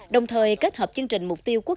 đồng thời kết hợp chương trình mục tiêu quốc